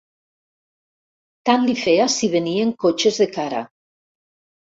Tant li feia si venien cotxes de cara.